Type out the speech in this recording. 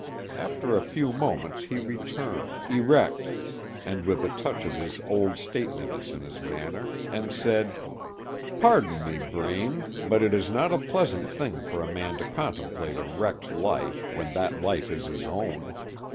After a few moments he returned, erect, and with a touch of his old stateliness in his manner, and said: "Pardon me, Braine, but it is not a pleasant thing for a man to contemplate a wrecked life, when that life is his own.